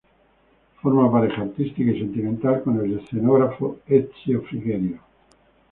Forma pareja artística y sentimental con el escenógrafo Ezio Frigerio.